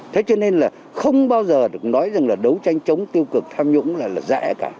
thế cho nên là không bao giờ được nói rằng là đấu tranh chống tiêu cực tham nhũng là rẽ cả